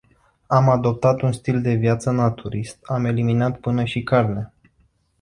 Am adoptat un stil de viață naturist, am eliminat până și carnea.